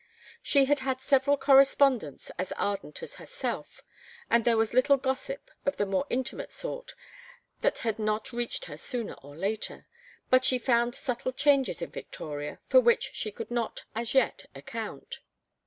She had had several correspondents as ardent as herself, and there was little gossip of the more intimate sort that had not reached her sooner or later, but she found subtle changes in Victoria for which she could not as yet account.